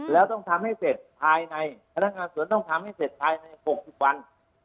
แล้วต้องทำให้เสร็จภายในพนักงานสวนต้องทำให้เสร็จภายใน๖๐วัน